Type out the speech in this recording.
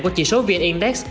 của chỉ số vn index